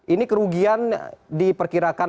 ini kerugian diperkirakan